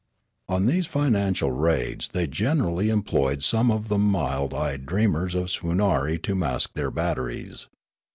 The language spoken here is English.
On these financial raids thej^ generally employed some of the mild eyed dreamers of Swoonarie to mask their batteries.